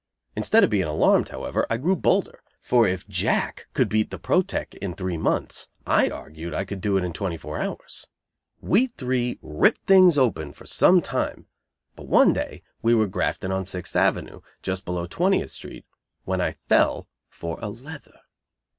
Instead of being alarmed, however, I grew bolder, for if Jack could "beat" the "Proteck" in three months, I argued I could do it in twenty four hours. We three ripped things open for some time; but one day we were grafting on Sixth Avenue, just below Twentieth Street, when I fell for a "leather."